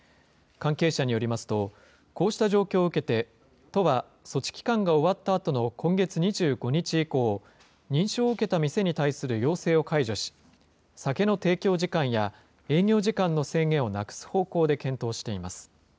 関係者によりますと、こうした状況を受けて、都は、措置期間が終わったあとの今月２５日以降、認証を受けた店に対する要請を解除し、酒の提供時間や、営業時間の制限をなくす方向で検討しています。